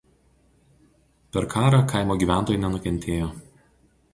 Per karą kaimo gyventojai nenukentėjo.